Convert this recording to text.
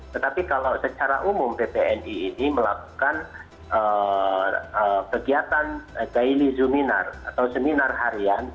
tetapi kalau secara umum ppni ini melakukan kegiatan daily zuminar atau seminar harian